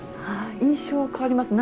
印象が変わります。